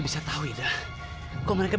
saya dah nunggu